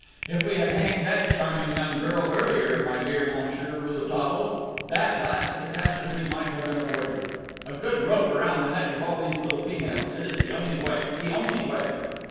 If we had hanged that charming young girl earlier, my dear Monsieur Rouletabille, that last catastrophe might have been avoided. A good rope around the neck of all these little females it is the only way, the only way!"